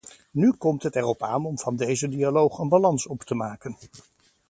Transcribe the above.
Nu komt het erop aan om van deze dialoog een balans op te maken.